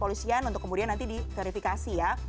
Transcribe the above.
kepolisian untuk kemudian nanti diverifikasi ya